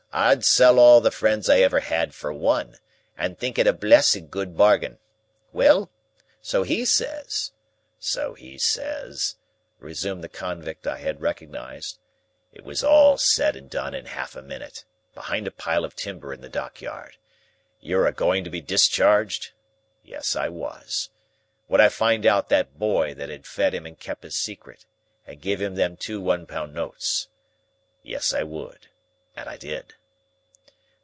I'd sell all the friends I ever had for one, and think it a blessed good bargain. Well? So he says—?" "So he says," resumed the convict I had recognised,—"it was all said and done in half a minute, behind a pile of timber in the Dock yard,—'You're a going to be discharged?' Yes, I was. Would I find out that boy that had fed him and kep his secret, and give him them two one pound notes? Yes, I would. And I did."